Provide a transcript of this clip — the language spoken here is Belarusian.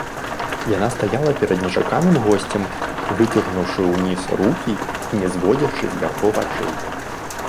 Яна стаяла перад нечаканым госцем, выцягнуўшы ўніз рукі і не зводзячы з яго вачэй.